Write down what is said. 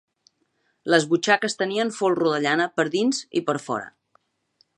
Les butxaques tenien folro de llana per dins i per fora.